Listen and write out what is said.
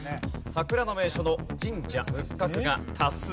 桜の名所の神社仏閣が多数。